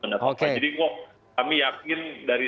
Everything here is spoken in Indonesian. jadi kami yakin dari